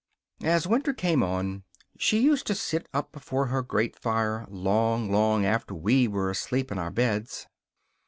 As winter came on she used to sit up before her grate fire long, long after we were asleep in our beds.